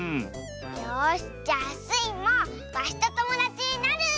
よしじゃあスイもワシとともだちになる！